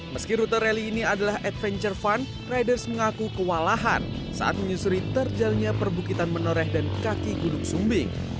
meski rute rally ini adalah adventure fun riders mengaku kewalahan saat menyusuri terjalnya perbukitan menoreh dan kaki gunung sumbing